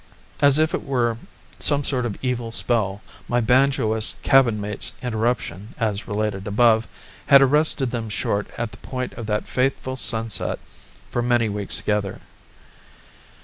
As if it were some sort of evil spell, my banjoist cabin mate's interruption, as related above, had arrested them short at the point of that fateful sunset for many weeks together.